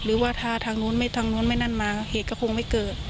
หรือว่าทางโน้นไม่นั่นมาเหตุก็ไม่เกิด